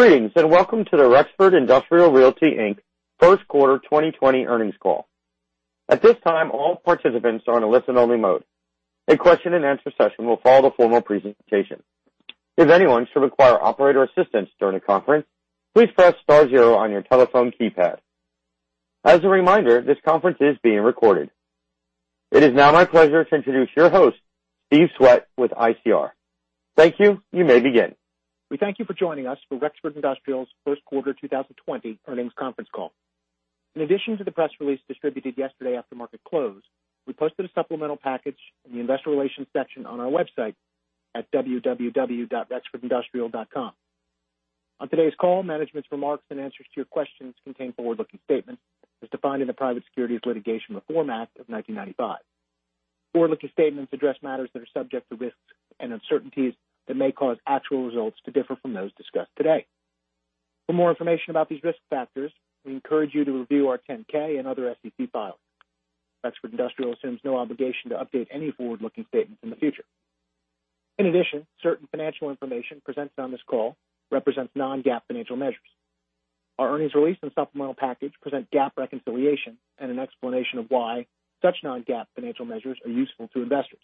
Greetings. Welcome to the Rexford Industrial Realty Inc. First Quarter 2020 Earnings Call. At this time, all participants are on a listen-only mode. A question and answer session will follow the formal presentation. If anyone should require operator assistance during the conference, please press star zero on your telephone keypad. As a reminder, this conference is being recorded. It is now my pleasure to introduce your host, Steve Swett with ICR. Thank you. You may begin. We thank you for joining us for Rexford Industrial's first quarter 2020 earnings conference call. In addition to the press release distributed yesterday after market close, we posted a supplemental package in the investor relations section on our website at www.rexfordindustrial.com. On today's call, management's remarks and answers to your questions contain forward-looking statements as defined in the Private Securities Litigation Reform Act of 1995. Forward-looking statements address matters that are subject to risks and uncertainties that may cause actual results to differ from those discussed today. For more information about these risk factors, we encourage you to review our 10-K and other SEC filings. Rexford Industrial assumes no obligation to update any forward-looking statements in the future. In addition, certain financial information presented on this call represents non-GAAP financial measures. Our earnings release and supplemental package present GAAP reconciliation and an explanation of why such non-GAAP financial measures are useful to investors.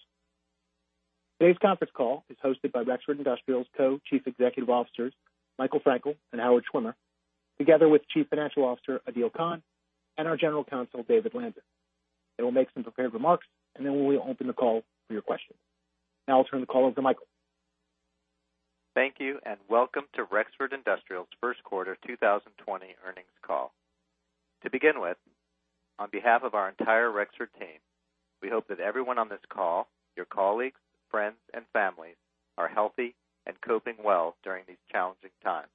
Today's conference call is hosted by Rexford Industrial's Co-Chief Executive Officers, Michael Frankel and Howard Schwimmer, together with Chief Financial Officer, Adeel Khan, and our General Counsel, David Lanzer. They will make some prepared remarks, and then we will open the call for your questions. Now I'll turn the call over to Michael. Thank you. Welcome to Rexford Industrial's first quarter 2020 earnings call. To begin with, on behalf of our entire Rexford team, we hope that everyone on this call, your colleagues, friends, and families, are healthy and coping well during these challenging times.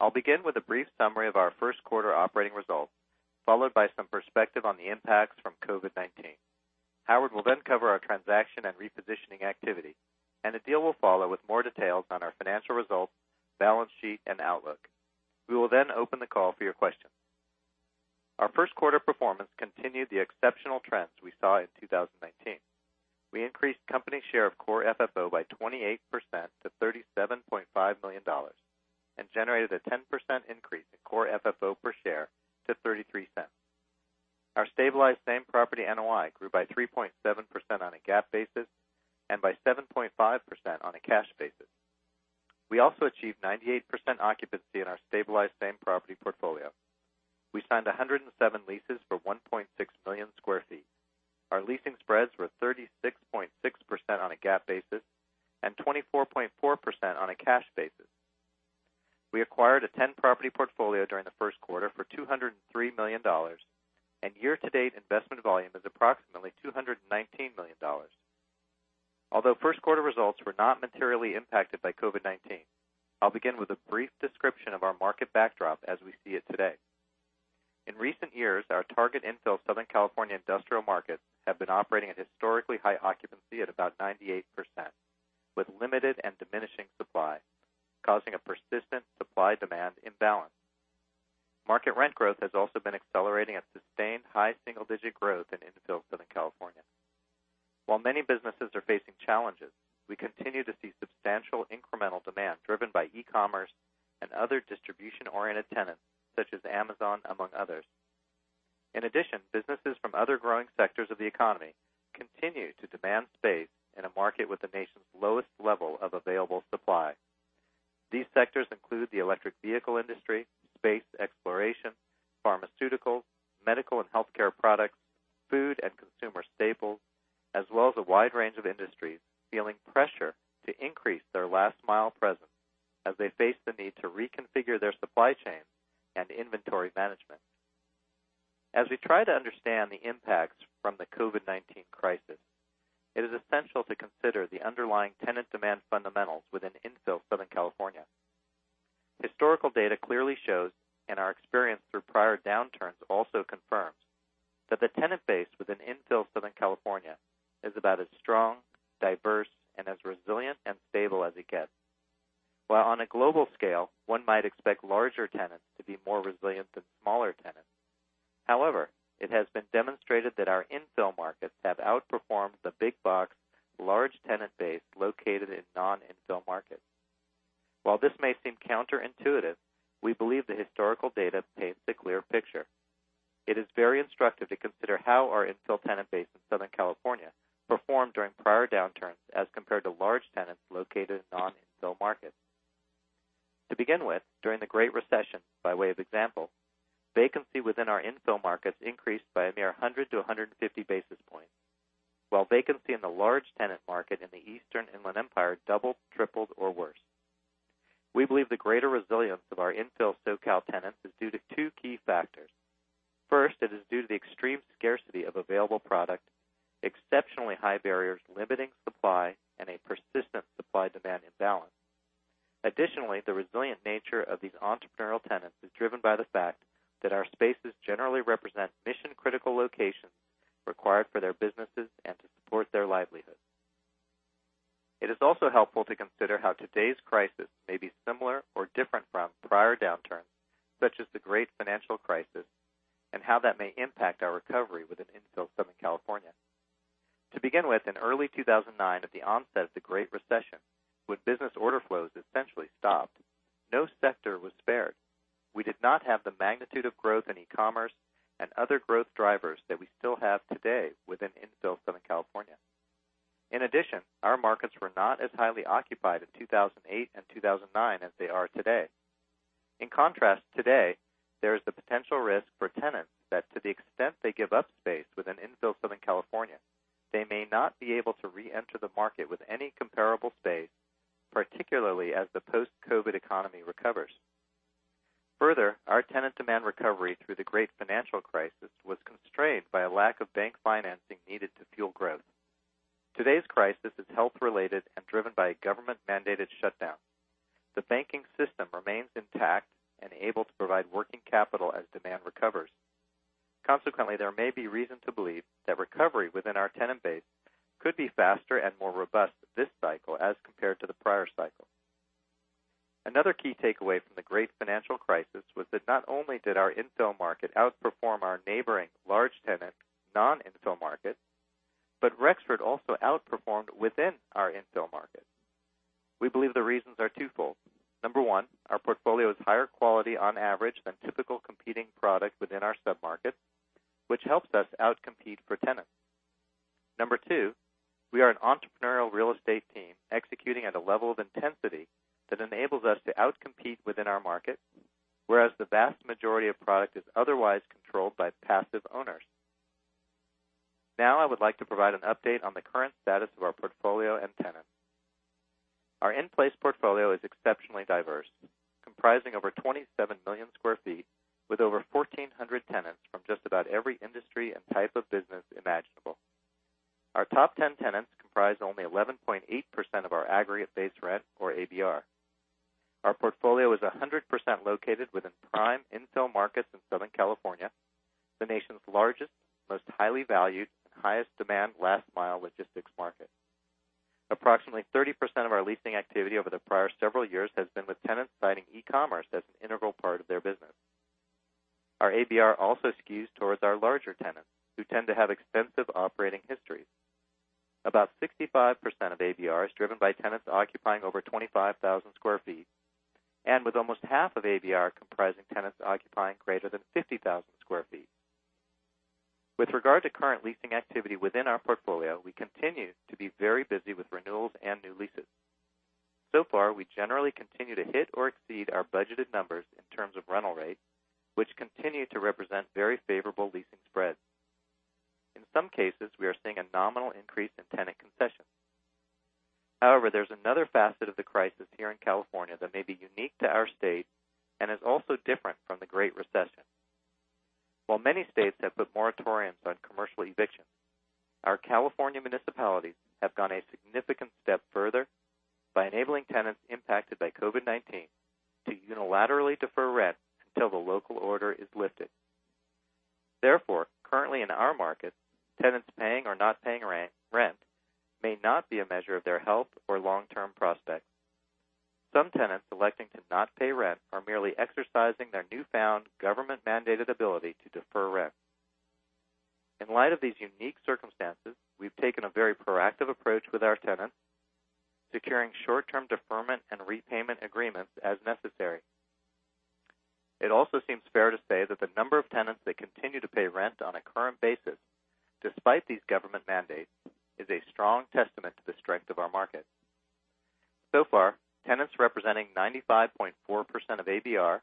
I'll begin with a brief summary of our first quarter operating results, followed by some perspective on the impacts from COVID-19. Howard will then cover our transaction and repositioning activity, and Adeel will follow with more details on our financial results, balance sheet, and outlook. We will then open the call for your questions. Our first quarter performance continued the exceptional trends we saw in 2019. We increased company share of core FFO by 28% to $37.5 million and generated a 10% increase in core FFO per share to $0.33. Our stabilized same-property NOI grew by 3.7% on a GAAP basis and by 7.5% on a cash basis. We also achieved 98% occupancy in our stabilized same-property portfolio. We signed 107 leases for 1.6 million sq ft. Our leasing spreads were 36.6% on a GAAP basis and 24.4% on a cash basis. We acquired a 10-property portfolio during the first quarter for $203 million, and year-to-date investment volume is approximately $219 million. Although first quarter results were not materially impacted by COVID-19, I'll begin with a brief description of our market backdrop as we see it today. In recent years, our target Infill Southern California industrial markets have been operating at historically high occupancy at about 98%, with limited and diminishing supply, causing a persistent supply-demand imbalance. Market rent growth has also been accelerating at sustained high single-digit growth in Infill Southern California. While many businesses are facing challenges, we continue to see substantial incremental demand driven by e-commerce and other distribution-oriented tenants such as Amazon, among others. In addition, businesses from other growing sectors of the economy continue to demand space in a market with the nation's lowest level of available supply. These sectors include the electric vehicle industry, space exploration, pharmaceuticals, medical and healthcare products, food and consumer staples, as well as a wide range of industries feeling pressure to increase their last-mile presence as they face the need to reconfigure their supply chains and inventory management. As we try to understand the impacts from the COVID-19 crisis, it is essential to consider the underlying tenant demand fundamentals within Infill Southern California. Historical data clearly shows, and our experience through prior downturns also confirms, that the tenant base within Infill Southern California is about as strong, diverse, and as resilient and stable as it gets. While on a global scale, one might expect larger tenants to be more resilient than smaller tenants. However, it has been demonstrated that our Infill markets have outperformed the big box, large tenant base located in non-infill markets. While this may seem counterintuitive, we believe the historical data paints a clear picture. It is very instructive to consider how our Infill tenant base in Southern California performed during prior downturns as compared to large tenants located in non-infill markets. To begin with, during the Great Recession, by way of example, vacancy within our Infill markets increased by a mere 100 basis points to 150 basis points, while vacancy in the large tenant market in the Eastern Inland Empire doubled, tripled, or worse. We believe the greater resilience of our Infill SoCal tenants is due to two key factors. First, it is due to the extreme scarcity of available product, exceptionally high barriers limiting supply, and a persistent supply-demand imbalance. Additionally, the resilient nature of these entrepreneurial tenants is driven by the fact that our spaces generally represent mission-critical locations required for their businesses and to support their livelihood. It is also helpful to consider how today's crisis may be similar or different from prior downturns, such as the Great Financial Crisis, and how that may impact our recovery within Infill Southern California. To begin with, in early 2009, at the onset of the Great Recession, when business order flows essentially stopped, no sector was spared. We did not have the magnitude of growth in e-commerce and other growth drivers that we still have today within Infill Southern California. In addition, our markets were not as highly occupied in 2008 and 2009 as they are today. In contrast, today, there is the potential risk for tenants that to the extent they give up space within Infill Southern California, they may not be able to re-enter the market with any comparable space, particularly as the post-COVID economy recovers. Further, our tenant demand recovery through the Great Financial Crisis was constrained by a lack of bank financing needed to fuel growth. Today's crisis is health-related and driven by a government-mandated shutdown. The banking system remains intact and able to provide working capital as demand recovers. Consequently, there may be reason to believe that recovery within our tenant base could be faster and more robust this cycle as compared to the prior cycle. Another key takeaway from the great financial crisis was that not only did our Infill market outperform our neighboring large tenant non-infill market, but Rexford Industrial also outperformed within our Infill market. We believe the reasons are twofold. Number one, our portfolio is higher quality on average than typical competing product within our sub-market, which helps us out-compete for tenants. Number two, we are an entrepreneurial real estate team executing at a level of intensity that enables us to out-compete within our market, whereas the vast majority of product is otherwise controlled by passive owners. Now I would like to provide an update on the current status of our portfolio and tenants. Our in-place portfolio is exceptionally diverse, comprising over 27 million sq ft with over 1,400 tenants from just about every industry and type of business imaginable. Our top ten tenants comprise only 11.8% of our aggregate base rent or ABR. Our portfolio is 100% located within prime Infill markets in Southern California, the nation's largest, most highly valued, and highest demand last-mile logistics market. Approximately 30% of our leasing activity over the prior several years has been with tenants citing e-commerce as an integral part of their business. Our ABR also skews towards our larger tenants, who tend to have extensive operating histories. About 65% of ABR is driven by tenants occupying over 25,000 sq ft, and with almost half of ABR comprising tenants occupying greater than 50,000 sq ft. With regard to current leasing activity within our portfolio, we continue to be very busy with renewals and new leases. So far, we generally continue to hit or exceed our budgeted numbers in terms of rental rate, which continue to represent very favorable leasing spreads. In some cases, we are seeing a nominal increase in tenant concessions. However, there's another facet of the crisis here in California that may be unique to our state and is also different from the Great Recession. While many states have put moratoriums on commercial eviction, our California municipalities have gone a significant step further by enabling tenants impacted by COVID-19 to unilaterally defer rent until the local order is lifted. Therefore, currently in our market, tenants paying or not paying rent may not be a measure of their health or long-term prospects. Some tenants electing to not pay rent are merely exercising their newfound government-mandated ability to defer rent. In light of these unique circumstances, we've taken a very proactive approach with our tenants, securing short-term deferment and repayment agreements as necessary. It also seems fair to say that the number of tenants that continue to pay rent on a current basis, despite these government mandates, is a strong testament to the strength of our market. So far, tenants representing 95.4% of ABR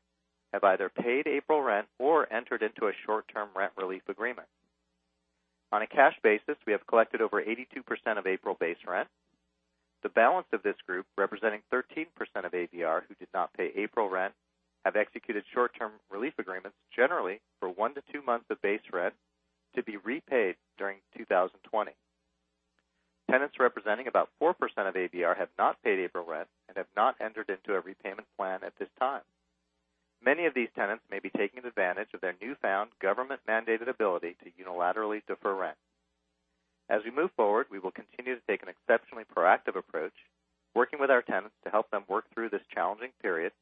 have either paid April rent or entered into a short-term rent relief agreement. On a cash basis, we have collected over 82% of April base rent. The balance of this group, representing 13% of ABR who did not pay April rent, have executed short-term relief agreements generally for one to two months of base rent to be repaid during 2020. Tenants representing about 4% of ABR have not paid April rent and have not entered into a repayment plan at this time. Many of these tenants may be taking advantage of their newfound government-mandated ability to unilaterally defer rent. As we move forward, we will continue to take an exceptionally proactive approach, working with our tenants to help them work through this challenging period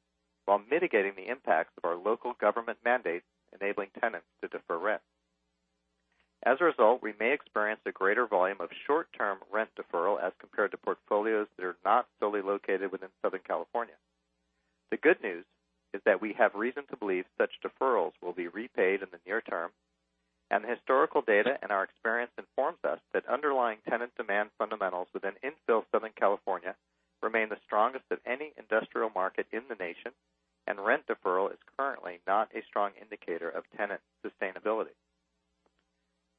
while mitigating the impacts of our local government mandates enabling tenants to defer rent. As a result, we may experience a greater volume of short-term rent deferral as compared to portfolios that are not solely located within Southern California. The good news is that we have reason to believe such deferrals will be repaid in the near term, and the historical data and our experience informs us that underlying tenant demand fundamentals within Infill Southern California remain the strongest of any industrial market in the nation, and rent deferral is currently not a strong indicator of tenant sustainability.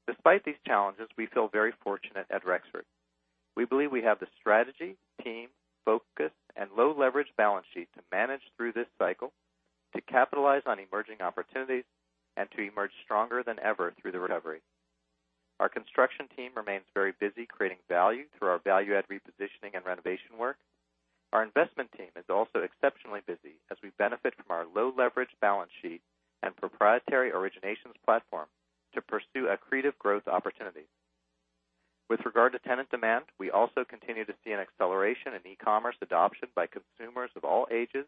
Despite these challenges, we feel very fortunate at Rexford. We believe we have the strategy, team, focus, and low leverage balance sheet to manage through this cycle, to capitalize on emerging opportunities, and to emerge stronger than ever through the recovery. Our construction team remains very busy creating value through our value add repositioning and renovation work. Our investment team is also exceptionally busy as we benefit from our low leverage balance sheet and proprietary originations platform to pursue accretive growth opportunities. With regard to tenant demand, we also continue to see an acceleration in e-commerce adoption by consumers of all ages,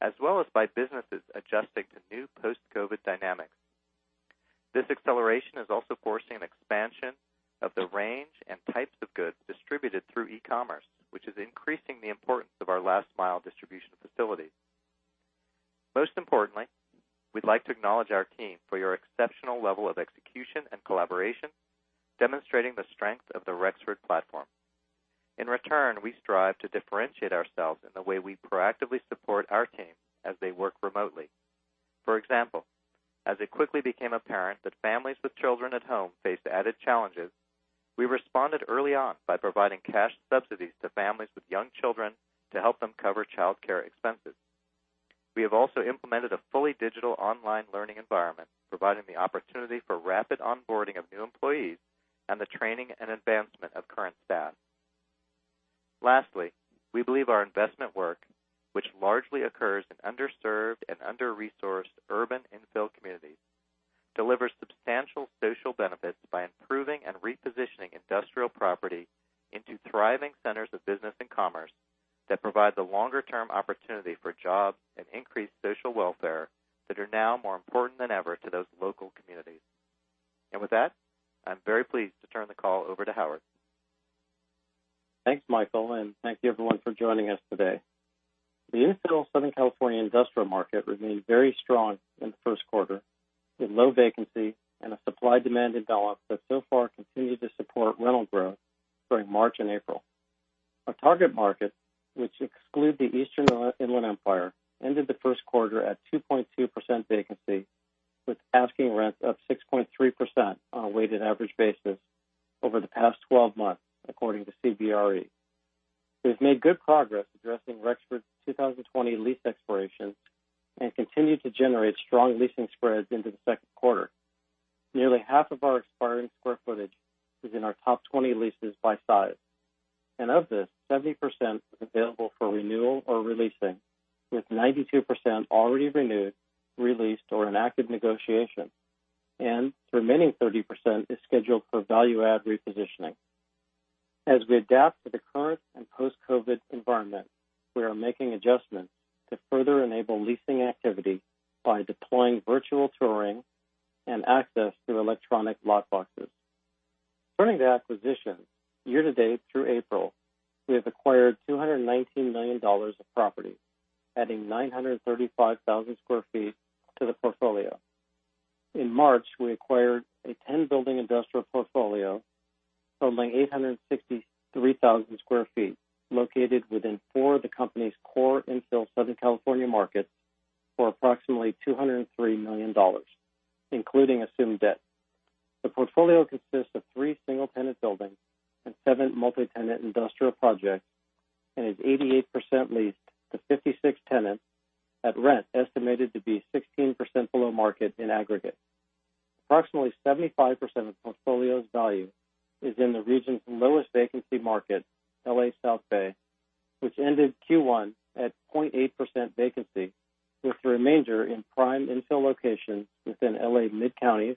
as well as by businesses adjusting to new post-COVID dynamics. This acceleration is also forcing an expansion of the range and types of goods distributed through e-commerce, which is increasing the importance of our last mile distribution facilities. Most importantly, we'd like to acknowledge our team for your exceptional level of execution and collaboration, demonstrating the strength of the Rexford platform. In return, we strive to differentiate ourselves in the way we proactively support our team as they work remotely. For example, as it quickly became apparent that families with children at home faced added challenges, we responded early on by providing cash subsidies to families with young children to help them cover childcare expenses. We have also implemented a fully digital online learning environment, providing the opportunity for rapid onboarding of new employees and the training and advancement of current staff. Lastly, we believe our investment work, which largely occurs in underserved and under-resourced urban Infill communities, delivers substantial social benefits by improving and repositioning industrial property into thriving centers of business and commerce that provides a longer-term opportunity for jobs and increased social welfare that are now more important than ever to those local communities. With that, I'm very pleased to turn the call over to Howard. Thanks, Michael. Thank you everyone for joining us today. The Infill Southern California industrial market remained very strong in the first quarter, with low vacancy and a supply-demand imbalance that so far continued to support rental growth during March and April. Our target market, which exclude the Eastern Inland Empire, ended the first quarter at 2.2% vacancy with asking rents up 6.3% on a weighted average basis over the past 12 months, according to CBRE. We've made good progress addressing Rexford's 2020 lease expirations and continued to generate strong leasing spreads into the second quarter. Nearly half of our expiring square footage is in our top 20 leases by size. Of this, 70% is available for renewal or re-leasing, with 92% already renewed, re-leased, or in active negotiation. The remaining 30% is scheduled for value add repositioning. As we adapt to the current and post-COVID environment, we are making adjustments to further enable leasing activity by deploying virtual touring and access through electronic lock boxes. Turning to acquisition, year to date through April, we have acquired $219 million of property, adding 935,000 sq ft to the portfolio. In March, we acquired a 10-building industrial portfolio totaling 863,000 sq ft, located within four of the company's core Infill Southern California markets for approximately $203 million, including assumed debt. The portfolio consists of three single-tenant buildings and seven multi-tenant industrial projects and is 88% leased to 56 tenants at rent estimated to be 16% below market in aggregate. Approximately 75% of the portfolio's value is in the region's lowest vacancy market, L.A. South Bay, which ended Q1 at 0.8% vacancy, with the remainder in prime Infill locations within L.A. Mid County,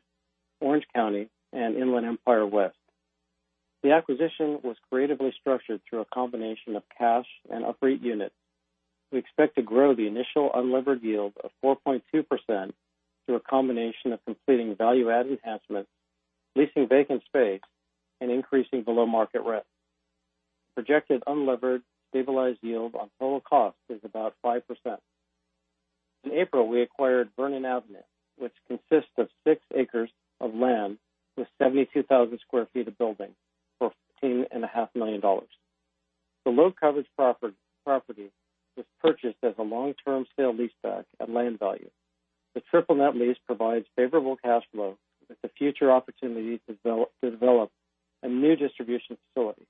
Orange County, and Inland Empire West. The acquisition was creatively structured through a combination of cash and UPREIT units. We expect to grow the initial unlevered yield of 4.2% through a combination of completing value add enhancements, leasing vacant space, and increasing below-market rent. Projected unlevered stabilized yield on total cost is about 5%. In April, we acquired Vernon Avenue, which consists of six acres of land with 72,000 sq ft of building for $15.5 million. The low-coverage property was purchased as a long-term sale leaseback at land value. The triple net lease provides favorable cash flow with the future opportunity to develop a new distribution facility.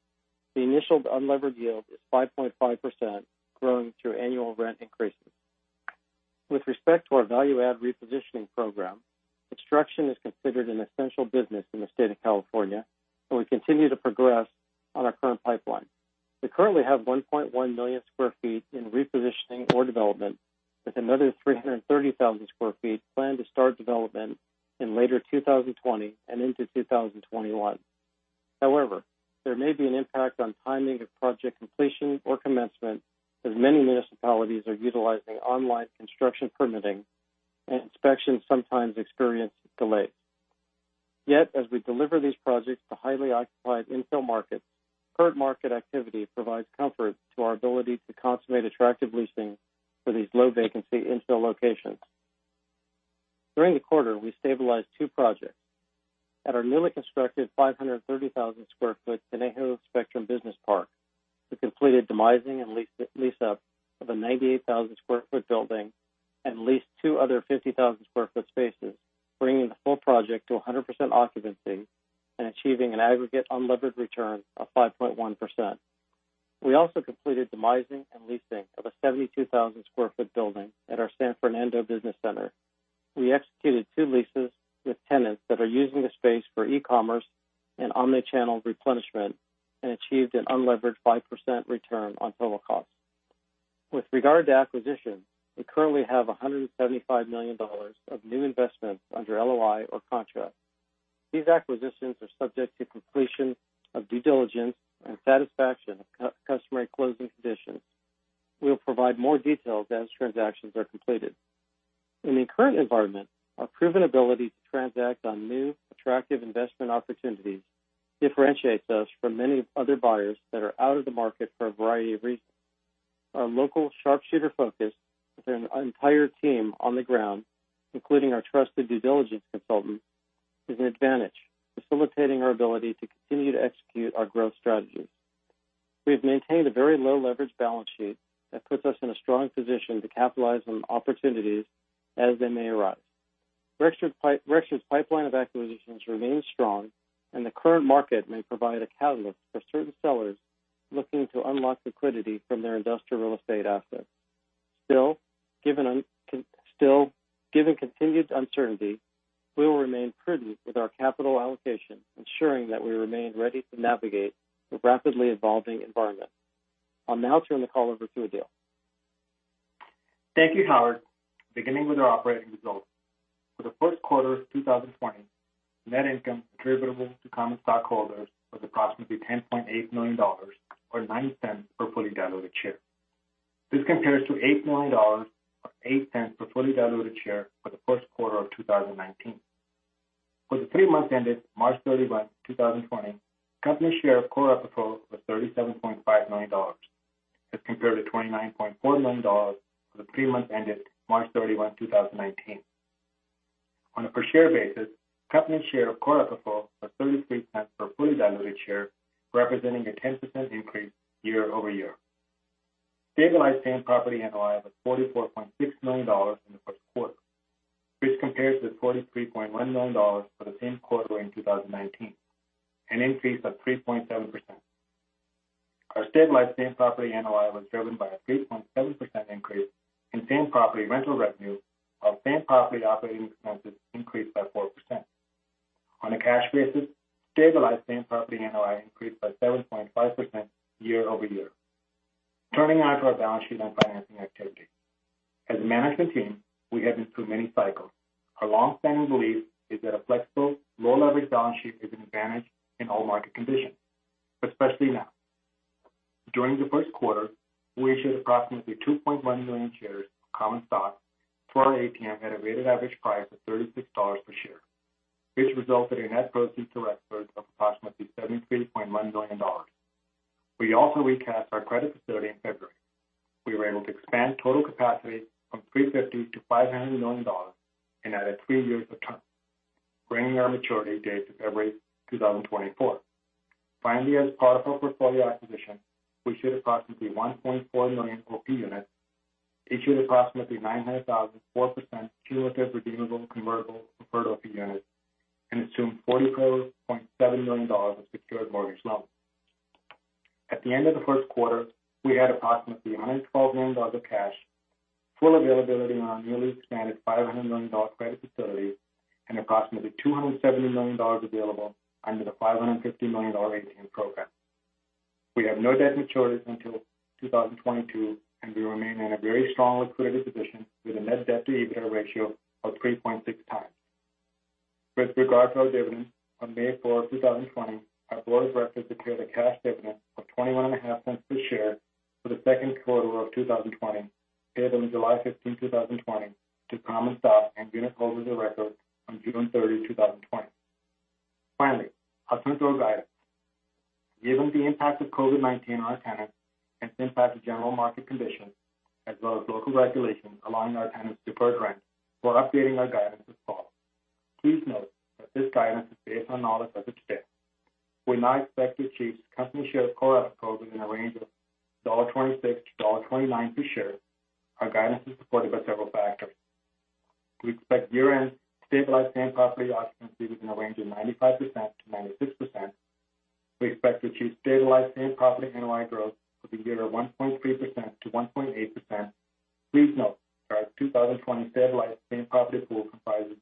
The initial unlevered yield is 5.5%, growing through annual rent increases. With respect to our value add repositioning program, construction is considered an essential business in the state of California, and we continue to progress on our current pipeline. We currently have 1.1 million sq ft in repositioning or development, with another 330,000 sq ft planned to start development in later 2020 and into 2021. However, there may be an impact on timing of project completion or commencement as many municipalities are utilizing online construction permitting, and inspections sometimes experience delays. Yet, as we deliver these projects to highly occupied Infill markets, current market activity provides comfort to our ability to consummate attractive leasing for these low vacancy Infill locations. During the quarter, we stabilized two projects. At our newly constructed 530,000 sq ft Conejo Spectrum Business Park, we completed demising and lease up of a 98,000 sq ft building and leased two other 50,000 sq ft spaces, bringing the full project to 100% occupancy and achieving an aggregate unlevered return of 5.1%. We also completed demising and leasing of a 72,000 sq ft building at our San Fernando Business Center. We executed two leases with tenants that are using the space for e-commerce and omni-channel replenishment and achieved an unlevered 5% return on total cost. With regard to acquisition, we currently have $175 million of new investments under LOI or contract. These acquisitions are subject to completion of due diligence and satisfaction of customary closing conditions. We'll provide more details as transactions are completed. In the current environment, our proven ability to transact on new attractive investment opportunities differentiates us from many other buyers that are out of the market for a variety of reasons. Our local sharpshooter focus with an entire team on the ground, including our trusted due diligence consultants, is an advantage facilitating our ability to continue to execute our growth strategies. We have maintained a very low leverage balance sheet that puts us in a strong position to capitalize on opportunities as they may arise. Rexford's pipeline of acquisitions remains strong, and the current market may provide a catalyst for certain sellers looking to unlock liquidity from their industrial real estate assets. Still, given continued uncertainty, we will remain prudent with our capital allocation, ensuring that we remain ready to navigate the rapidly evolving environment. I'll now turn the call over to Adeel. Thank you, Howard. Beginning with our operating results. For the first quarter of 2020, net income attributable to common stockholders was approximately $10.8 million, or $0.09 per fully diluted share. This compares to $8 million or $0.08 per fully diluted share for the first quarter of 2019. For the three months ended March 31, 2020, company share of core FFO was $37.5 million as compared to $29.49 million for the three months ended March 31, 2019. On a per share basis, company share of core FFO was $0.33 per fully diluted share, representing a 10% increase year-over-year. Stabilized same property NOI was $44.6 million in the first quarter, which compares with $43.1 million for the same quarter in 2019, an increase of 3.7%. Our stabilized same property NOI was driven by a 3.7% increase in same property rental revenue, while same property operating expenses increased by 4%. On a cash basis, stabilized same property NOI increased by 7.5% year-over-year. Turning now to our balance sheet and financing activity. As a management team, we have been through many cycles. Our longstanding belief is that a flexible, low leverage balance sheet is an advantage in all market conditions, especially now. During the first quarter, we issued approximately 2.1 million shares of common stock through our ATM at a weighted average price of $36 per share. This resulted in net proceeds to Rexford of approximately $73.1 million. We also recast our credit facility in February. We were able to expand total capacity from $350 million to $500 million and added three years of term, bringing our maturity date to February 2024. As part of our portfolio acquisition, we issued approximately 1.4 million OP units, issued approximately 900,000 4% cumulative redeemable convertible preferred OP units, and assumed $44.7 million of secured mortgage loans. At the end of the first quarter, we had approximately $112 million of cash, full availability on our newly expanded $500 million credit facility, and approximately $270 million available under the $550 million ATM program. We have no debt maturities until 2022. We remain in a very strong liquidity position with a net debt to EBITDA ratio of 3.6x. With regard to our dividend, on May 4th, 2020, our Board of Directors declared a cash dividend of $0.215 per share for the second quarter of 2020, payable on July 15th, 2020 to common stock and unit holders of record on June 30th, 2020. Finally, a turn to our guidance. Given the impact of COVID-19 on our tenants, and since the general market conditions as well as local regulations allowing our tenants to defer rent, we're updating our guidance as follows. Please note that this guidance is based on knowledge as of today. We now expect to achieve company share of core FFO within a range of $1.26 to $1.29 per share. Our guidance is supported by several factors. We expect year-end stabilized same property occupancy within a range of 95%-96%. We expect to achieve stabilized same property NOI growth for the year of 1.3%-1.8%. Please note that our 2020 stabilized same property pool comprises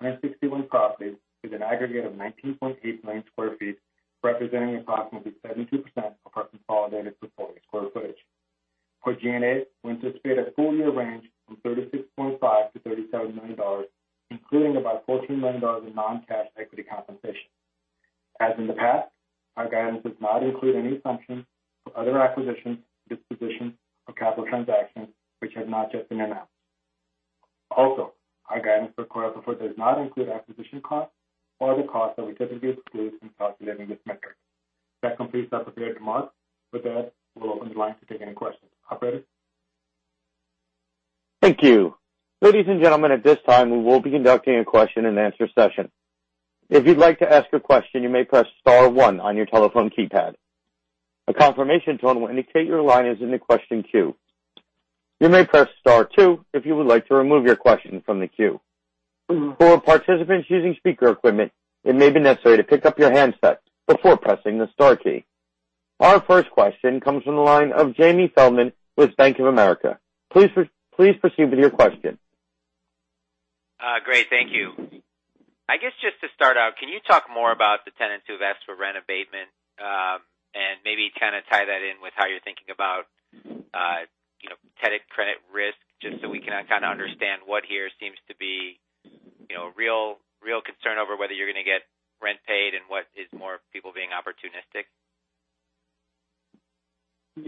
161 properties with an aggregate of 19.8 million sq ft, representing approximately 72% of our consolidated portfolio square footage. For G&A, we anticipate a full year range from $36.5 million-$37 million, including about $14 million in non-cash equity compensation. As in the past, our guidance does not include any assumption for other acquisitions, dispositions, or capital transactions which have not yet been announced. Also, our guidance for core FFO does not include acquisition costs or the costs that we typically exclude when calculating this metric. That completes our prepared remarks. With that, we'll open the line to take any questions. Operator? Thank you. Ladies and gentlemen, at this time, we will be conducting a question-and-answer session. If you'd like to ask a question, you may press star one on your telephone keypad. A confirmation tone will indicate your line is in the question queue. You may press star two if you would like to remove your question from the queue. For participants using speaker equipment, it may be necessary to pick up your handset before pressing the star key. Our first question comes from the line of Jamie Feldman with Bank of America. Please proceed with your question. Great. Thank you. I guess just to start out, can you talk more about the tenants who've asked for rent abatement and maybe kind of tie that in with how you're thinking about credit risk, just so we can kind of understand what here seems to be a real concern over whether you're going to get rent paid and what is more people being opportunistic?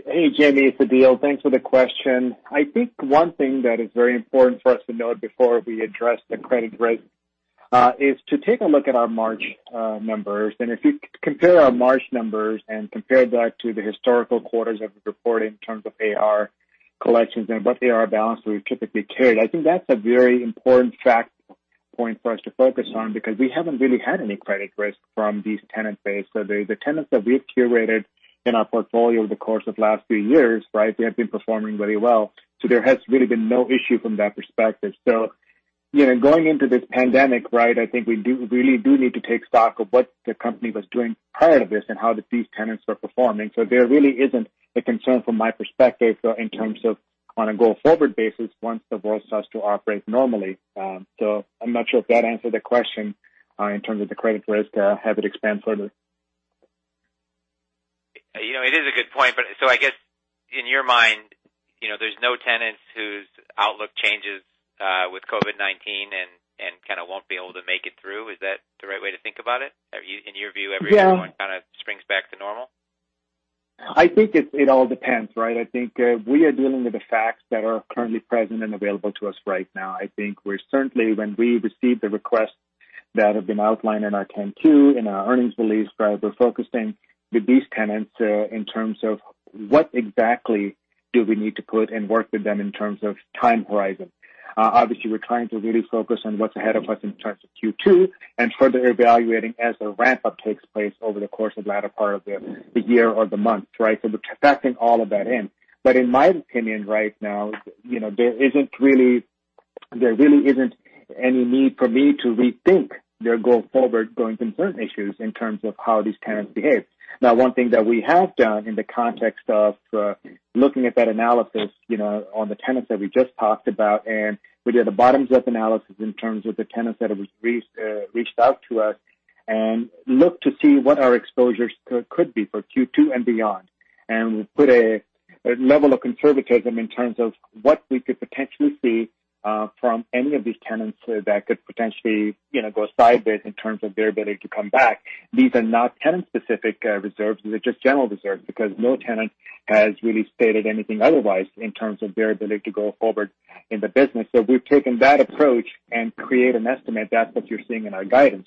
Hey, Jamie. It's Adeel. Thanks for the question. I think one thing that is very important for us to note before we address the credit risk is to take a look at our March numbers. If you compare our March numbers and compare that to the historical quarters that we've reported in terms of AR collections and what AR balance we've typically carried, I think that's a very important fact point for us to focus on because we haven't really had any credit risk from these tenant base. The tenants that we've curated in our portfolio over the course of last few years, they have been performing very well. There has really been no issue from that perspective. Going into this pandemic, I think we really do need to take stock of what the company was doing prior to this and how these tenants were performing. There really isn't a concern from my perspective in terms of on a go-forward basis once the world starts to operate normally. I'm not sure if that answered the question in terms of the credit risk. Have it expand further. It is a good point. I guess in your mind, there's no tenants whose outlook changes with COVID-19 and kind of won't be able to make it through. Is that the right way to think about it? Yeah Everyone kind of springs back to normal? I think it all depends. I think we are dealing with the facts that are currently present and available to us right now. I think we're certainly, when we receive the requests that have been outlined in our 10-Q, in our earnings release, we're focusing with these tenants in terms of what exactly do we need to put and work with them in terms of time horizon. Obviously, we're trying to really focus on what's ahead of us in terms of Q2 and further evaluating as the ramp-up takes place over the course of the latter part of the year or the month. We're factoring all of that in. In my opinion right now, there really isn't any need for me to rethink their go forward going concern issues in terms of how these tenants behave. Now, one thing that we have done in the context of looking at that analysis on the tenants that we just talked about, and we did a bottoms-up analysis in terms of the tenants that have reached out to us and looked to see what our exposures could be for Q2 and beyond, and put a level of conservatism in terms of what we could potentially see from any of these tenants that could potentially go sideways in terms of their ability to come back. These are not tenant-specific reserves. These are just general reserves because no tenant has really stated anything otherwise in terms of their ability to go forward in the business. We've taken that approach and create an estimate. That's what you're seeing in our guidance.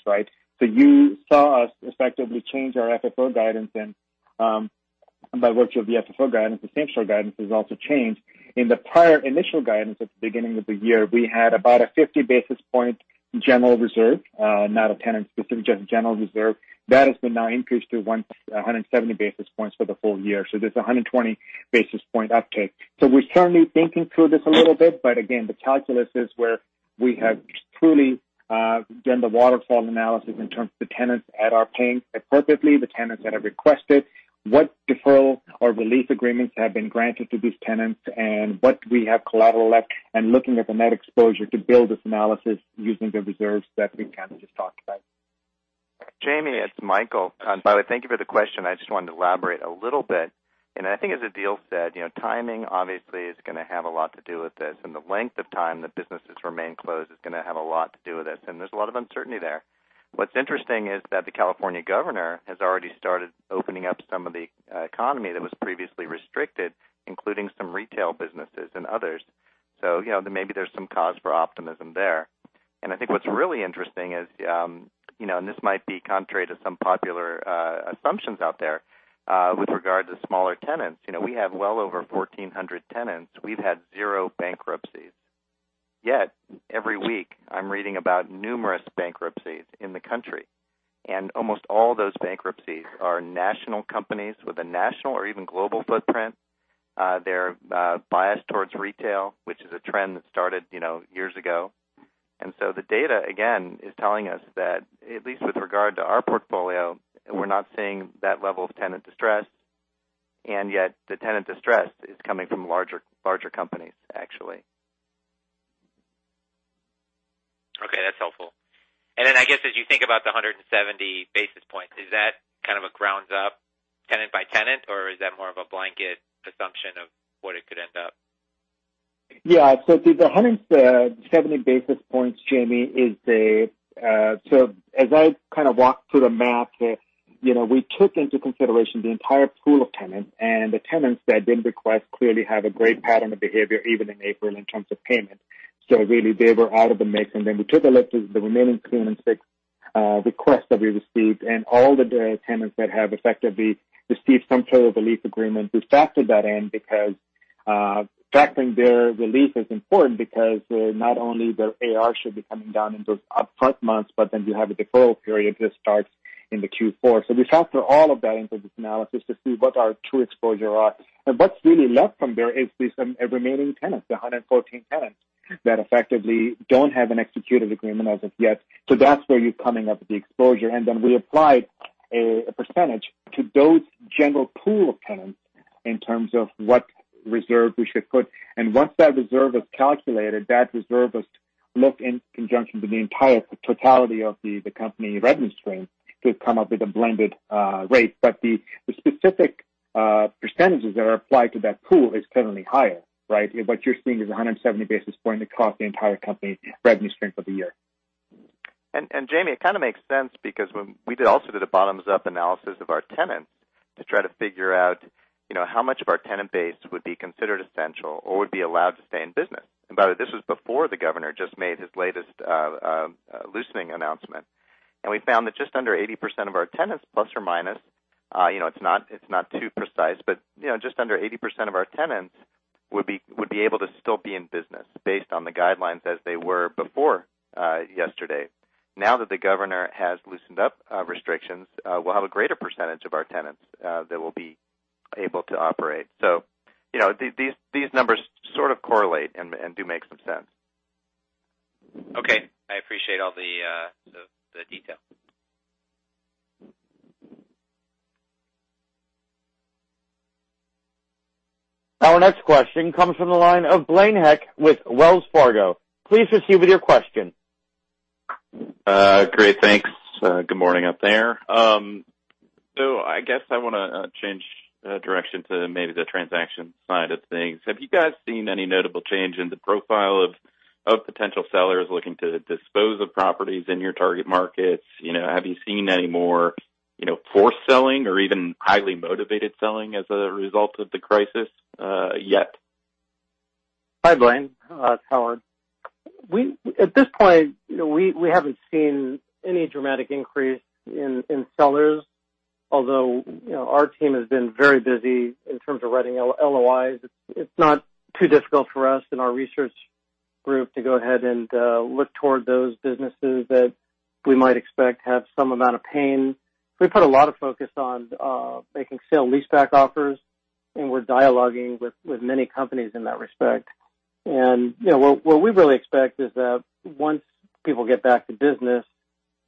You saw us effectively change our FFO guidance and by virtue of the FFO guidance, the same-store guidance has also changed. In the prior initial guidance at the beginning of the year, we had about a 50 basis point general reserve not a tenant-specific, just general reserve. That has been now increased to 170 basis points for the full year. There's 120 basis point uptake. We're currently thinking through this a little bit, but again, the calculus is where we have truly done the waterfall analysis in terms of the tenants that are paying appropriately, the tenants that have requested, what deferral or release agreements have been granted to these tenants, and what we have collateralized, and looking at the net exposure to build this analysis using the reserves that we kind of just talked about. Jamie, it's Michael. By the way, thank you for the question. I just wanted to elaborate a little bit. I think as Adeel said, timing obviously is going to have a lot to do with this, and the length of time that businesses remain closed is going to have a lot to do with this, and there's a lot of uncertainty there. What's interesting is that the California governor has already started opening up some of the economy that was previously restricted, including some retail businesses and others. Maybe there's some cause for optimism there. I think what's really interesting is and this might be contrary to some popular assumptions out there with regard to smaller tenants. We have well over 1,400 tenants. We've had zero bankruptcies. Yet, every week I'm reading about numerous bankruptcies in the country, and almost all those bankruptcies are national companies with a national or even global footprint. They're biased towards retail, which is a trend that started years ago. The data, again, is telling us that at least with regard to our portfolio, we're not seeing that level of tenant distress, and yet the tenant distress is coming from larger companies, actually. Okay. That's helpful. I guess as you think about the 170 basis points, is that kind of a grounds-up tenant by tenant, or is that more of a blanket assumption of what it could end up? Yeah. The 170 basis points, Jamie, as I kind of walked through the math, we took into consideration the entire pool of tenants, and the tenants that didn't request clearly have a great pattern of behavior, even in April, in terms of payment. Really, they were out of the mix. We took a look at the remaining 216 requests that we received and all the tenants that have effectively received some sort of a lease agreement. We factored that in because factoring their release is important because not only their AR should be coming down in those upfront months, but then you have a deferral period that starts in the Q4. We factor all of that into this analysis to see what our true exposure are. What's really left from there is these remaining tenants, the 114 tenants that effectively don't have an executed agreement as of yet. That's where you're coming up with the exposure. Then we applied a percentage to those general pool of tenants. In terms of what reserve we should put. Once that reserve is calculated, that reserve must look in conjunction to the entirety of the company revenue stream to come up with a blended rate. The specific percentages that are applied to that pool is currently higher, right? What you're seeing is 170 basis points across the entire company revenue stream for the year. Jamie, it kind of makes sense because when we also did a bottoms-up analysis of our tenants to try to figure out how much of our tenant base would be considered essential or would be allowed to stay in business. By the way, this was before the Governor just made his latest loosening announcement. We found that just under 80% of our tenants, plus or minus, it's not too precise, but just under 80% of our tenants would be able to still be in business based on the guidelines as they were before yesterday. Now that the Governor has loosened up restrictions, we'll have a greater percentage of our tenants that will be able to operate. These numbers sort of correlate and do make some sense. Okay. I appreciate all the details. Our next question comes from the line of Blaine Heck with Wells Fargo. Please proceed with your question. Great. Thanks. Good morning up there. I guess I want to change direction to maybe the transaction side of things. Have you guys seen any notable change in the profile of potential sellers looking to dispose of properties in your target markets? Have you seen any more forced selling or even highly motivated selling as a result of the crisis yet? Hi, Blaine. It's Howard. At this point, we haven't seen any dramatic increase in sellers, although our team has been very busy in terms of writing LOIs. It's not too difficult for us in our research group to go ahead and look toward those businesses that we might expect have some amount of pain. We put a lot of focus on making sale-leaseback offers, and we're dialoguing with many companies in that respect. What we really expect is that once people get back to business,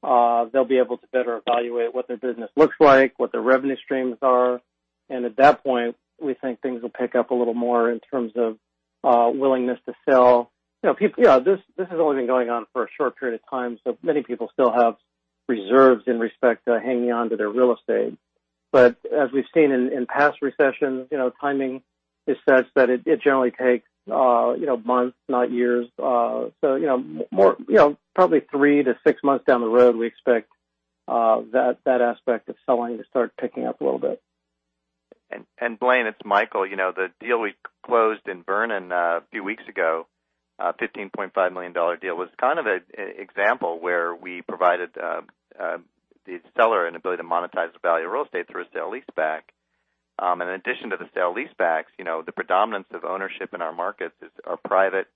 they'll be able to better evaluate what their business looks like, what their revenue streams are. At that point, we think things will pick up a little more in terms of willingness to sell. This has only been going on for a short period of time, so many people still have reserves in respect to hanging on to their real estate. As we've seen in past recessions, timing is such that it generally takes months, not years. Probably three to six months down the road, we expect that aspect of selling to start picking up a little bit. Blaine, it's Michael. The deal we closed in Vernon a few weeks ago, a $15.5 million deal, was kind of an example where we provided the seller an ability to monetize the value of real estate through a sale-leaseback. In addition to the sale-leasebacks, the predominance of ownership in our markets is a private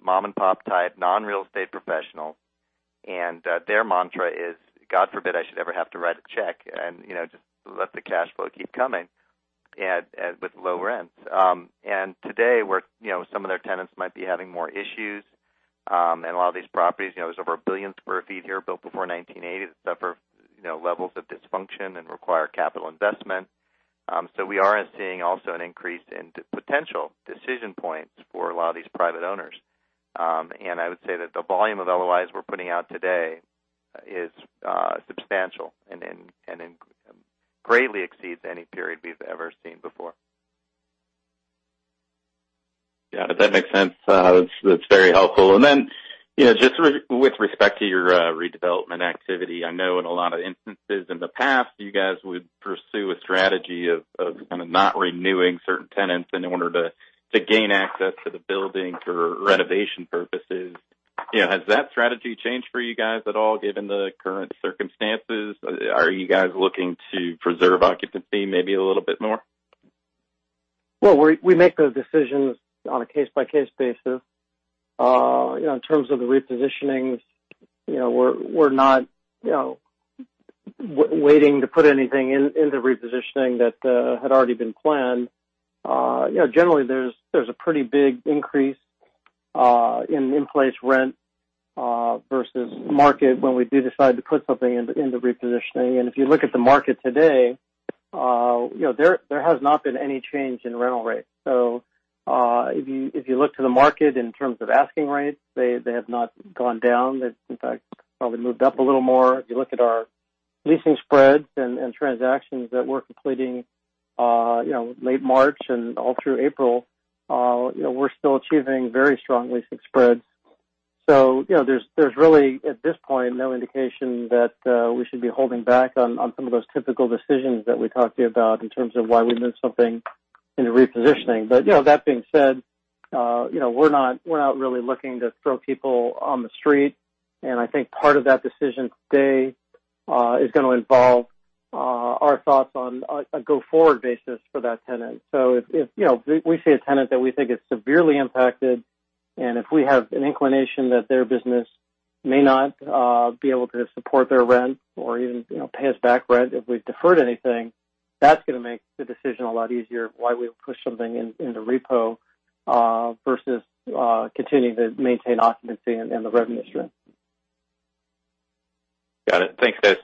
mom-and-pop type, non-real estate professional. Their mantra is, God forbid I should ever have to write a check and just let the cash flow keep coming with low rents. Today, some of their tenants might be having more issues. A lot of these properties, there's over a billion square feet here built before 1980 that suffer levels of dysfunction and require capital investment. We are seeing also an increase in potential decision points for a lot of these private owners. I would say that the volume of LOIs we're putting out today is substantial and greatly exceeds any period we've ever seen before. Yeah. That makes sense. That's very helpful. Just with respect to your redevelopment activity, I know in a lot of instances in the past, you guys would pursue a strategy of kind of not renewing certain tenants in order to gain access to the building for renovation purposes. Has that strategy changed for you guys at all given the current circumstances? Are you guys looking to preserve occupancy maybe a little bit more? Well, we make those decisions on a case-by-case basis. In terms of the repositionings, we're not waiting to put anything into repositioning that had already been planned. Generally, there's a pretty big increase in in-place rent versus market when we do decide to put something into repositioning. If you look at the market today, there has not been any change in rental rates. If you look to the market in terms of asking rates, they have not gone down. They've, in fact, probably moved up a little more. If you look at our leasing spreads and transactions that we're completing late March and all through April, we're still achieving very strong leasing spreads. There's really, at this point, no indication that we should be holding back on some of those typical decisions that we talked to you about in terms of why we move something into repositioning. That being said, we're not really looking to throw people on the street, and I think part of that decision today is going to involve our thoughts on a go-forward basis for that tenant. If we see a tenant that we think is severely impacted, and if we have an inclination that their business may not be able to support their rent or even pay us back rent if we've deferred anything, that's going to make the decision a lot easier of why we would push something into repo versus continuing to maintain occupancy and the revenue stream. Got it. Thanks, guys.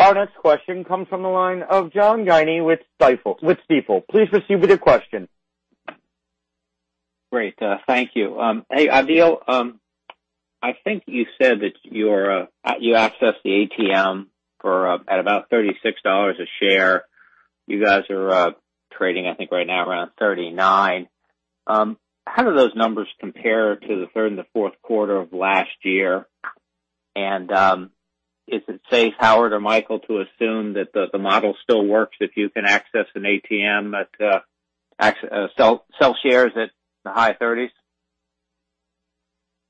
Our next question comes from the line of John Guinee with Stifel. Please proceed with your question. Great. Thank you. Hey, Adeel, I think you said that you accessed the ATM at about $36 a share. You guys are trading, I think, right now around $39. How do those numbers compare to the third and the fourth quarter of last year? Is it safe, Howard or Michael, to assume that the model still works if you can access an ATM that sell shares at the high thirties?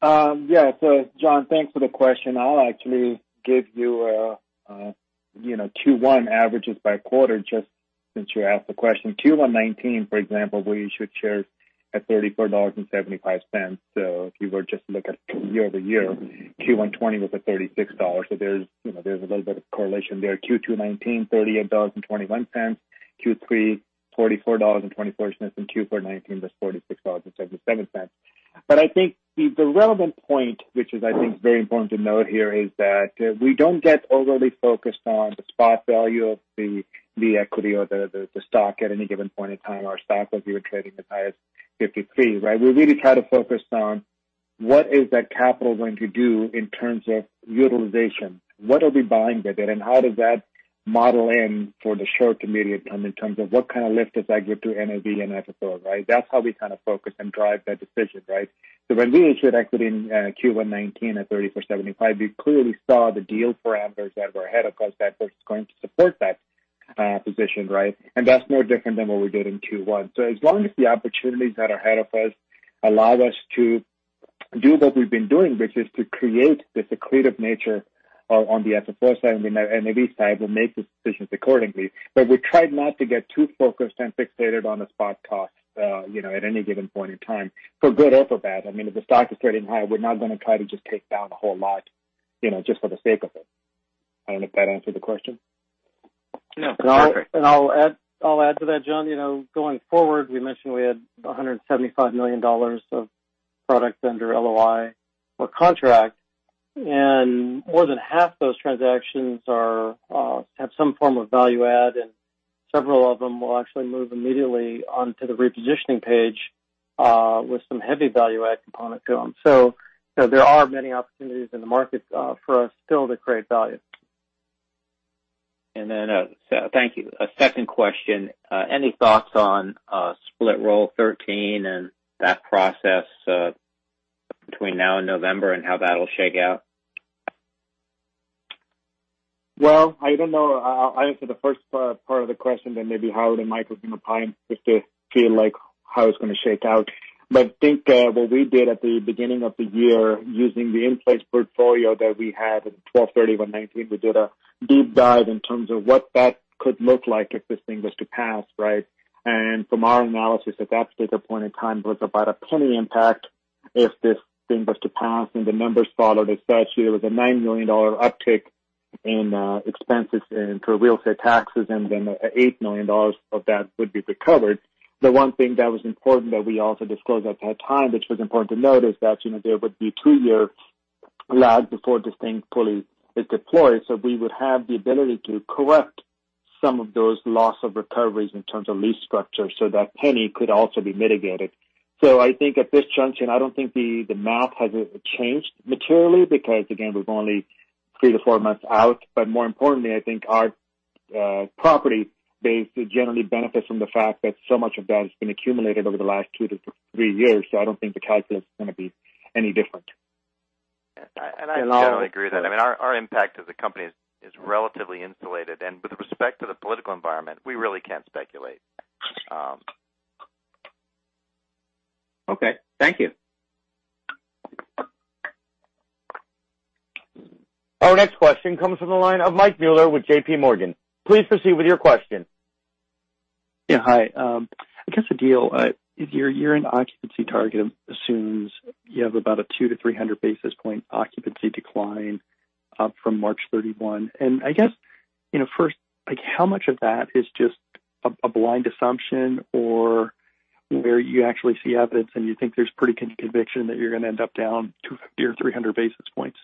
Yeah. John, thanks for the question. I'll actually give you Q1 averages by quarter, just since you asked the question. Q1 2019, for example, we issued shares at $34.75. If you were just to look at year-over-year, Q1 2020 was at $36. There's a little bit of correlation there. Q2 2019, $38.21. Q3, $44.24. Q4 2019 was $46.77. I think the relevant point, which is, I think, very important to note here, is that we don't get overly focused on the spot value of the equity or the stock at any given point in time. Our stock, as you were trading, was high as $53, right? We really try to focus on what is that capital going to do in terms of utilization. What are we buying with it, and how does that model in for the short to medium term in terms of what kind of lift does that give to NAV and FFO, right? That's how we kind of focus and drive that decision, right? When we issued equity in Q1 2019 at $34.75, we clearly saw the deal parameters that were ahead of us that was going to support that position, right? That's no different than what we did in Q1. As long as the opportunities that are ahead of us allow us to do what we've been doing, which is to create the accretive nature on the FFO side and the NAV side, we'll make decisions accordingly. We try not to get too focused and fixated on the spot costs at any given point in time, for good or for bad. I mean, if the stock is trading high, we're not going to try to just take down a whole lot just for the sake of it. I don't know if that answered the question. No. Perfect. I'll add to that, John. Going forward, we mentioned we had $175 million of products under LOI or contract, and more than half those transactions have some form of value add, and several of them will actually move immediately onto the repositioning page with some heavy value add component to them. There are many opportunities in the market for us still to create value. Thank you. A second question. Any thoughts on Split Roll 13 and that process between now and November and how that'll shake out? I don't know. I'll answer the first part of the question, then maybe Howard and Mike are going to chime in as to how it's going to shake out. I think what we did at the beginning of the year, using the in-place portfolio that we had at 12/31/2019, we did a deep dive in terms of what that could look like if this thing was to pass, right? From our analysis at that particular point in time, it was about a $0.01 impact if this thing was to pass and the numbers followed as such. There was a $9 million uptick in expenses for real estate taxes, and then $8 million of that would be recovered. The one thing that was important that we also disclosed at that time, which was important to note, is that there would be a two-year lag before this thing fully is deployed. We would have the ability to correct some of those loss of recoveries in terms of lease structure so that penny could also be mitigated. I think at this junction, I don't think the math has changed materially because, again, we're only three to four months out. More importantly, I think our property base generally benefits from the fact that so much of that has been accumulated over the last two to three years. I don't think the calculus is going to be any different. I generally agree with that. I mean, our impact as a company is relatively insulated, and with respect to the political environment, we really can't speculate. Okay. Thank you. Our next question comes from the line of Mike Mueller with JPMorgan. Please proceed with your question. Yeah. Hi. I guess, Adeel, your year-end occupancy target assumes you have about a 200 basis points-300 basis points occupancy decline from March 31. I guess first, how much of that is just a blind assumption or where you actually see evidence and you think there's pretty conviction that you're going to end up down 250 basis points or 300 basis points?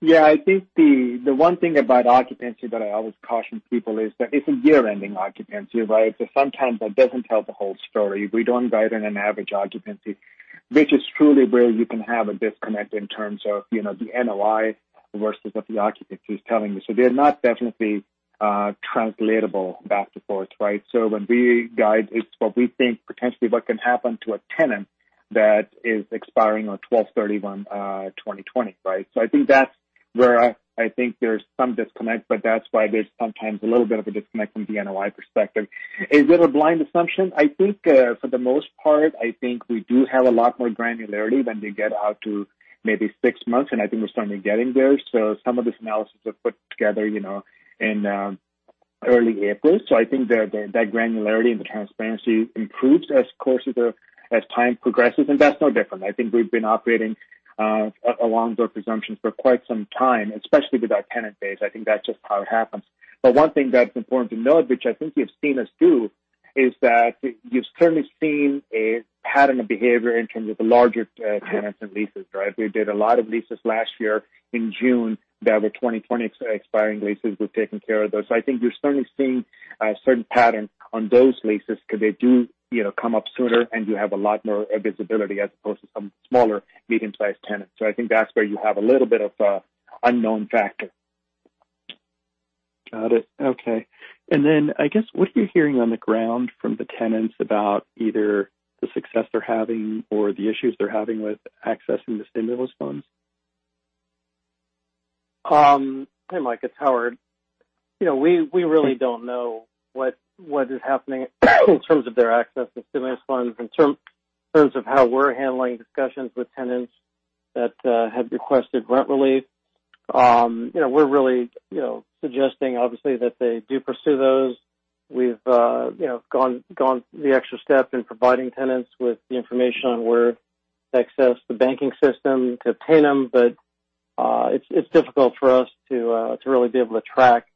Yeah. I think the one thing about occupancy that I always caution people is that it's a year-ending occupancy, right? Sometimes that doesn't tell the whole story. We don't guide in an average occupancy, which is truly where you can have a disconnect in terms of the NOI versus what the occupancy is telling you. They're not definitely translatable back and forth, right? When we guide, it's what we think potentially what can happen to a tenant that is expiring on 12/31/2020, right? I think that's where I think there's some disconnect, but that's why there's sometimes a little bit of a disconnect from the NOI perspective. Is it a blind assumption? I think for the most part, I think we do have a lot more granularity when we get out to maybe six months, and I think we're starting getting there. Some of this analysis was put together in early April. I think that granularity and the transparency improves as time progresses, and that's no different. I think we've been operating along those presumptions for quite some time, especially with our tenant base. I think that's just how it happens. One thing that's important to note, which I think you've seen us do, is that you've certainly seen a pattern of behavior in terms of the larger tenants and leases, right? We did a lot of leases last year in June that were 2020 expiring leases. We've taken care of those. I think you're starting to see a certain pattern on those leases because they do come up sooner, and you have a lot more visibility as opposed to some smaller medium-sized tenants. I think that's where you have a little bit of a unknown factor. Got it. Okay. I guess, what are you hearing on the ground from the tenants about either the success they're having or the issues they're having with accessing the stimulus funds? Hey, Mike, it's Howard. We really don't know what is happening in terms of their access to stimulus funds. In terms of how we're handling discussions with tenants that have requested rent relief, we're really suggesting obviously that they do pursue those. We've gone the extra step in providing tenants with the information on where to access the banking system to obtain them. It's difficult for us to really be able to track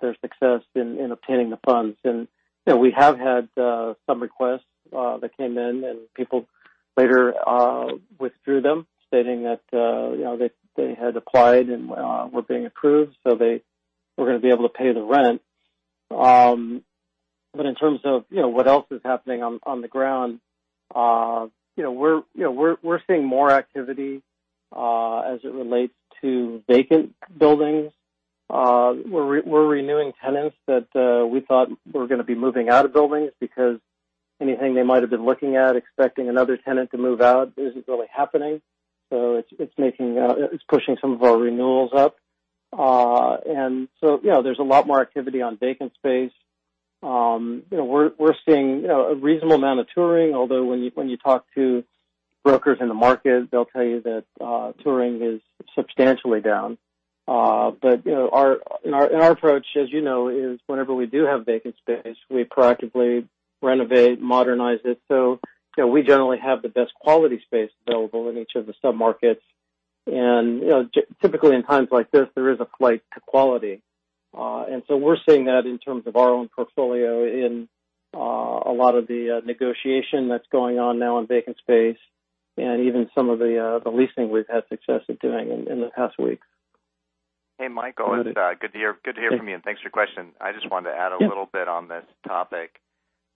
their success in obtaining the funds. We have had some requests that came in, and people later withdrew them, stating that they had applied and were being approved, so they were going to be able to pay the rent. In terms of what else is happening on the ground, we're seeing more activity as it relates to vacant buildings. We're renewing tenants that we thought were going to be moving out of buildings because anything they might've been looking at expecting another tenant to move out isn't really happening. It's pushing some of our renewals up. There's a lot more activity on vacant space. We're seeing a reasonable amount of touring, although when you talk to brokers in the market, they'll tell you that touring is substantially down. In our approach, as you know, is whenever we do have vacant space, we proactively renovate, modernize it. We generally have the best quality space available in each of the sub-markets. Typically in times like this, there is a flight to quality. We're seeing that in terms of our own portfolio in a lot of the negotiation that's going on now in vacant space and even some of the leasing we've had success in doing in the past week. Got it. Hey, Michael. Good to hear from you, and thanks for your question. I just wanted to add a little bit on this topic.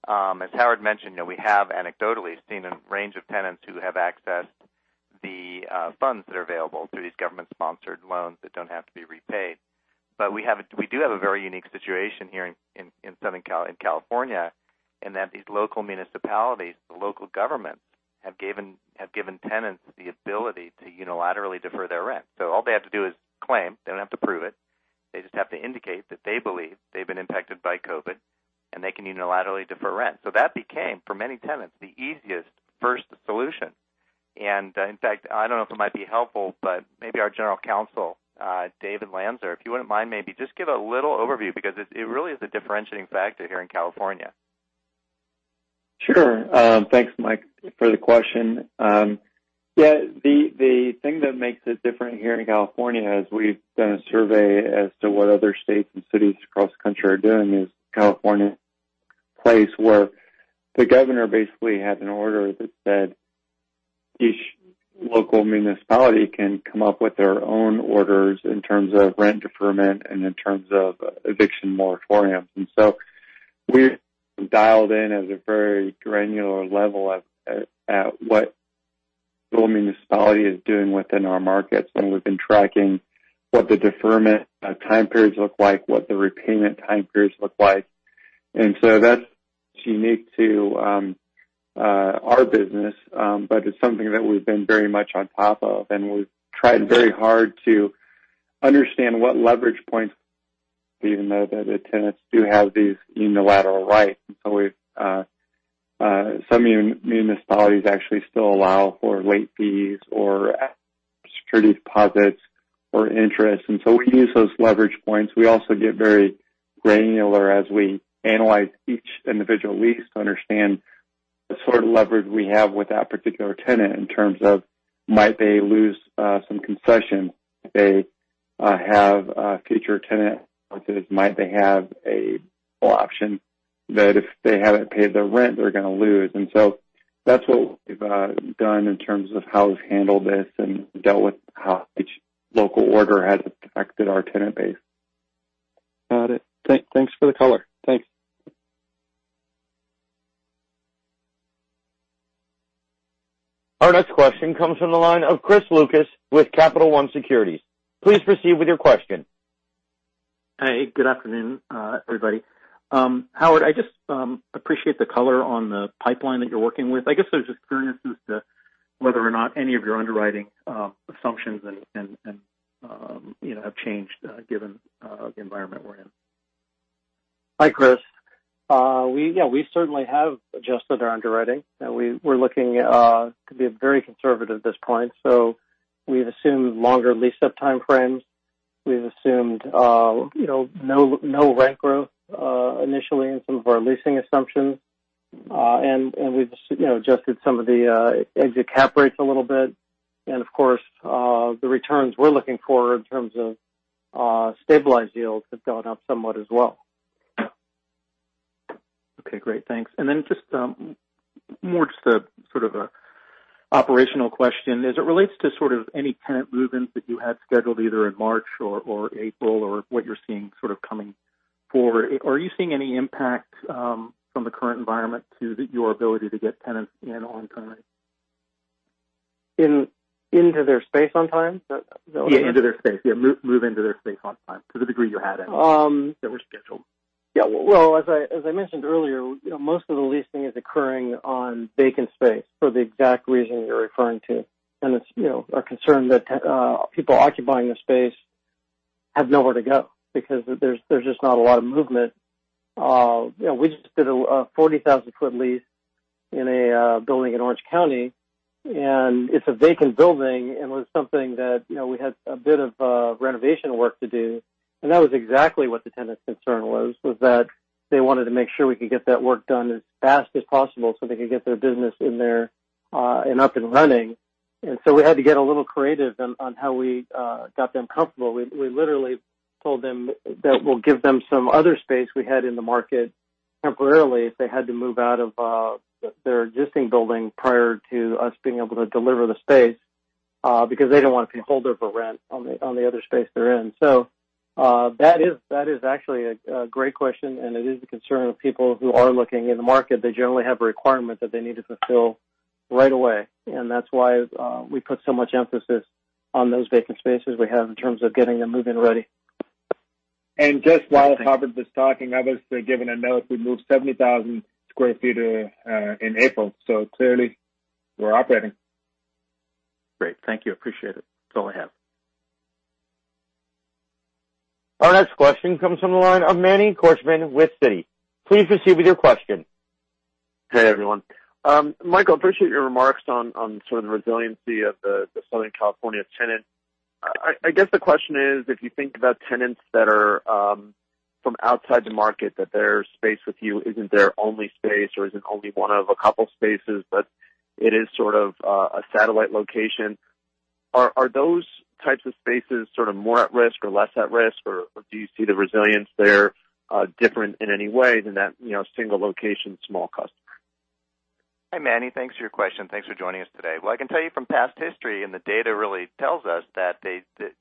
As Howard mentioned, we have anecdotally seen a range of tenants who have accessed the funds that are available through these government-sponsored loans that don't have to be repaid. We do have a very unique situation here in California in that these local municipalities, the local governments, have given tenants the ability to unilaterally defer their rent. All they have to do is claim. They don't have to prove it. They just have to indicate that they believe they've been impacted by COVID, and they can unilaterally defer rent. That became, for many tenants, the easiest first solution. In fact, I don't know if it might be helpful, but maybe our General Counsel, David Lanzer, if you wouldn't mind, maybe just give a little overview because it really is a differentiating factor here in California. Sure. Thanks, Mike, for the question. Yeah, the thing that makes it different here in California, as we've done a survey as to what other states and cities across the country are doing, is California is a place where the governor basically has an order that said each local municipality can come up with their own orders in terms of rent deferment and in terms of eviction moratoriums. We've dialed in at a very granular level at what the municipality is doing within our markets, and we've been tracking what the deferment time periods look like, what the repayment time periods look like. That's unique to our business, but it's something that we've been very much on top of, and we've tried very hard to understand what leverage points, even though that the tenants do have these unilateral rights. Some municipalities actually still allow for late fees or security deposits or interest. We use those leverage points. We also get very granular as we analyze each individual lease to understand the sort of leverage we have with that particular tenant in terms of might they lose some concession. Do they have future tenant leases? Might they have a full option that if they haven't paid their rent, they're going to lose. That's what we've done in terms of how we've handled this and dealt with how each local order has affected our tenant base. Got it. Thanks for the color. Thanks. Our next question comes from the line of Chris Lucas with Capital One Securities. Please proceed with your question. Hey. Good afternoon everybody. Howard, I just appreciate the color on the pipeline that you're working with. I guess there's just clearances to whether or not any of your underwriting assumptions have changed given the environment we're in. Hi, Chris. Yeah, we certainly have adjusted our underwriting, and we're looking to be very conservative at this point. We've assumed longer lease-up time frames. We've assumed no rent growth initially in some of our leasing assumptions. We've adjusted some of the exit cap rates a little bit. Of course, the returns we're looking for in terms of stabilized yields have gone up somewhat as well. Okay, great. Thanks. Just more of a operational question. As it relates to any tenant movements that you had scheduled either in March or April or what you're seeing coming forward, are you seeing any impact from the current environment to your ability to get tenants in on time? Into their space on time? Yeah, into their space. Yeah, move into their space on time to the degree you had any that were scheduled. Well, as I mentioned earlier, most of the leasing is occurring on vacant space for the exact reason you're referring to. It's our concern that people occupying the space have nowhere to go because there's just not a lot of movement. We just did a 40,000-foot lease in a building in Orange County, and it's a vacant building, and was something that we had a bit of renovation work to do. That was exactly what the tenant's concern was that they wanted to make sure we could get that work done as fast as possible so they could get their business in there and up and running. So we had to get a little creative on how we got them comfortable. We literally told them that we'll give them some other space we had in the market temporarily if they had to move out of their existing building prior to us being able to deliver the space, because they don't want to be holdover for rent on the other space they're in. That is actually a great question, and it is a concern of people who are looking in the market. They generally have a requirement that they need to fulfill right away. That's why we put so much emphasis on those vacant spaces we have in terms of getting them move-in ready. Just while Howard was talking, I was given a note. We moved 70,000 sq ft in April, so clearly we're operating. Great. Thank you. Appreciate it. That is all I have. Our next question comes from the line of Manny Korchman with Citi. Please proceed with your question. Hey, everyone. Michael, appreciate your remarks on sort of the resiliency of the Southern California tenant. I guess the question is, if you think about tenants that are from outside the market, that their space with you isn't their only space or isn't only one of a couple spaces, but it is sort of a satellite location. Are those types of spaces sort of more at risk or less at risk, or do you see the resilience there different in any way than that single location, small customer? Hi, Manny. Thanks for your question. Thanks for joining us today. Well, I can tell you from past history, and the data really tells us that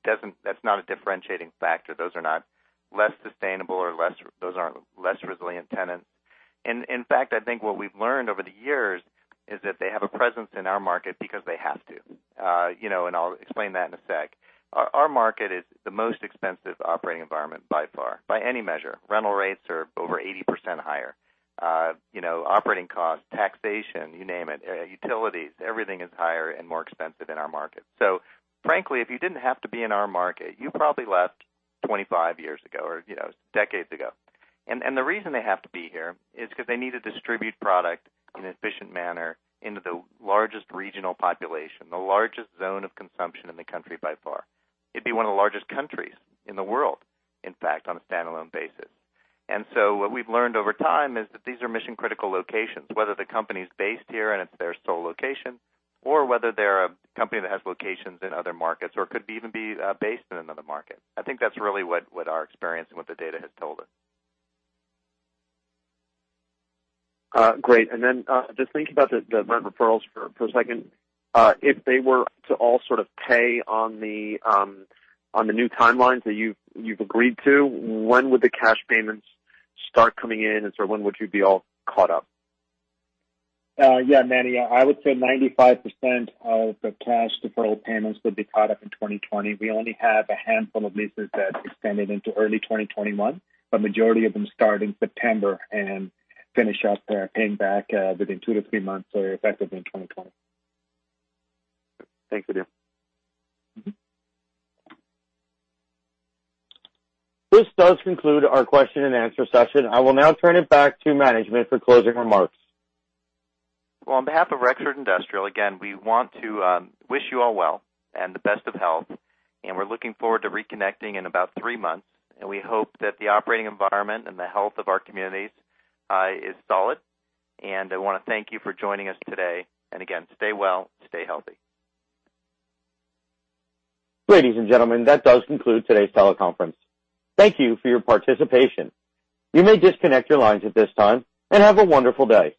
that's not a differentiating factor. Those are not less sustainable or those aren't less resilient tenants. In fact, I think what we've learned over the years is that they have a presence in our market because they have to. I'll explain that in a sec. Our market is the most expensive operating environment by far, by any measure. Rental rates are over 80% higher. Operating costs, taxation, you name it, utilities, everything is higher and more expensive in our market. Frankly, if you didn't have to be in our market, you probably left 25 years ago or decades ago. The reason they have to be here is because they need to distribute product in an efficient manner into the largest regional population, the largest zone of consumption in the country by far. It'd be one of the largest countries in the world, in fact, on a standalone basis. What we've learned over time is that these are mission-critical locations, whether the company's based here and it's their sole location or whether they're a company that has locations in other markets or could even be based in another market. I think that's really what our experience and what the data has told us. Great. Just thinking about the rent referrals for a second. If they were to all sort of pay on the new timelines that you've agreed to, when would the cash payments start coming in, and sort of when would you be all caught up? Yeah, Manny, I would say 95% of the cash deferral payments would be caught up in 2020. We only have a handful of leases that extended into early 2021. Majority of them start in September and finish up paying back within two to three months, so effectively in 2020. Thanks, Adeel. This does conclude our question and answer session. I will now turn it back to management for closing remarks. Well, on behalf of Rexford Industrial, again, we want to wish you all well and the best of health. We're looking forward to reconnecting in about three months. We hope that the operating environment and the health of our communities is solid. I want to thank you for joining us today. Again, stay well, stay healthy. Ladies and gentlemen, that does conclude today's teleconference. Thank you for your participation. You may disconnect your lines at this time, and have a wonderful day.